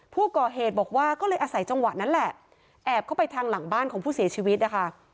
ผู้ก่อเหตุบอกว่าก็เลยอาศัยจังหวะนั้นแหละแอบเข้าไปทางหลังบ้านของผู้เสียชีวิตนะคะ